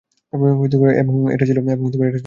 এবং এটা ছিল বহির্বিশ্বে।